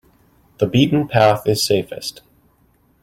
The beaten path is safest.